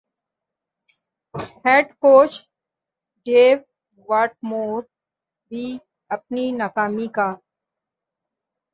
head coach Dav Whatmore بھی اپنی ناکامی کا